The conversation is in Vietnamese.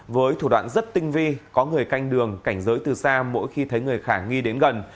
với thủ đoạn rất tinh vi có người canh đường cảnh giới từ xa mỗi khi thấy người khả nghi đến gần